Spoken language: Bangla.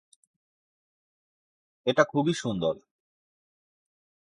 এটা খুবই সুন্দর।